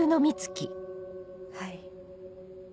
はい。